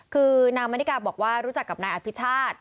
คือนางมณิกาบอกว่ารู้จักกับนายอภิชาติ